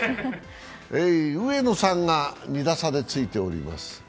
上野さんが２打差でついています。